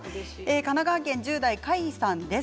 神奈川県１０代の方です。